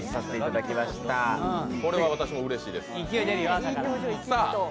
これは私もうれしいです。